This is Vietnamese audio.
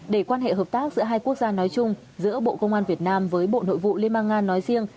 để quan hệ hợp tác giữa hai quốc gia nói chung giữa bộ công an việt nam với bộ nội vụ liên bang nga nói riêng